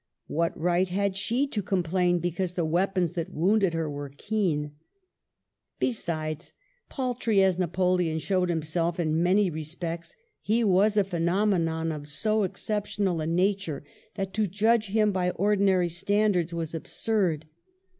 What right had she to complain because the weapons that wounded her were keen ? Besides, paltry as Napoleon showed himself in many respects, he was a phenomenon of so ex ceptional a nature that to judge him by ordinary standards was absurd.